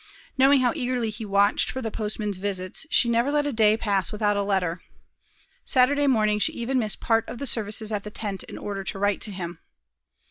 Knowing how eagerly he watched for the postman's visits, she never let a day pass without a letter. Saturday morning she even missed part of the services at the tent in order to write to him.